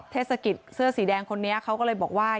เทศกิจเสื้อสีแดงคนนี้เขาก็เลยบอกว่า